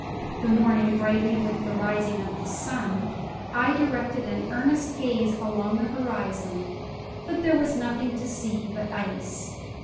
The morning brightening with the rising of the sun, I directed an earnest gaze along the horizon, but there was nothing to see but ice.